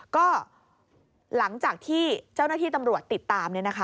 ก็หลังจากที่เจ้าหน้าที่ตำรวจติดตาม